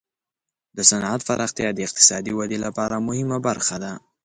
د صنعت پراختیا د اقتصادي ودې لپاره مهمه برخه ده.